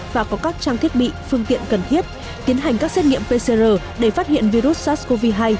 và có các trang thiết bị phương tiện cần thiết tiến hành các xét nghiệm pcr để phát hiện virus sars cov hai